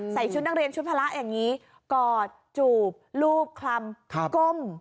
ชุดนักเรียนชุดพละอย่างนี้กอดจูบรูปคลำก้ม